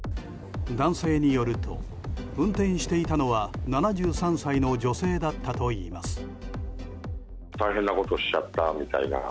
男性によると運転していたのは７３歳の女性だったといいます。